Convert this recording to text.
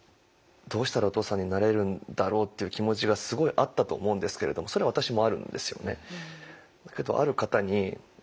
どうしたらお父さんになれるんだろうっていう気持ちがすごいあったと思うんですけれどもそれは私もあるんですよね。